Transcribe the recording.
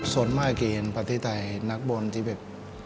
ส่วนมากจะเห็นประเทศไทยนักบอลที่แบบ